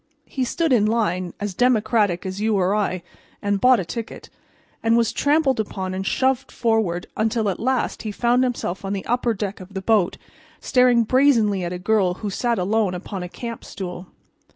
He stood in line, as democratic as you or I, and bought a ticket, and was trampled upon and shoved forward until, at last, he found himself on the upper deck of the boat staring brazenly at a girl who sat alone upon a camp stool.